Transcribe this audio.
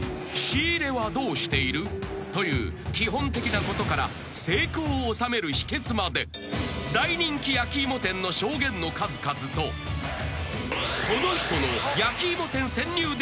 ［「仕入れはどうしている？」という基本的なことから成功を収める秘訣まで大人気焼き芋店の証言の数々とこの人の焼き芋店潜入